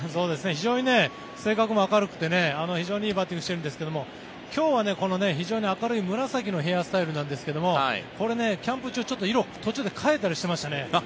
非常に性格も明るくて非常にいいバッティングをしているんですけど今日は非常に明るい紫のヘアスタイルなんですがこれキャンプ中、色を途中で変えたりしてましたね。